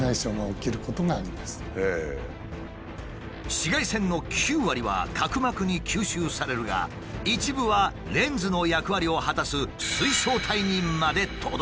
紫外線の９割は角膜に吸収されるが一部はレンズの役割を果たす水晶体にまで届く。